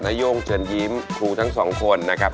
นโย่งเจือนยิ้มครูทั้ง๒คนนะครับ